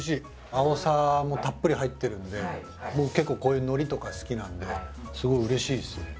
アオサもたっぷり入ってるんで僕結構こういうのりとか好きなんですごい嬉しいですね。